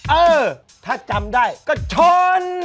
เออถ้าจำได้ก็ชน